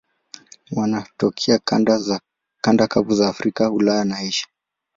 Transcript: Wanatokea kanda kavu za Afrika, Ulaya na Asia.